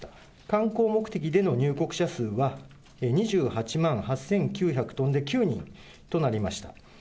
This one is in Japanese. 観光目的での入国者数は２８万８９０９人となりました。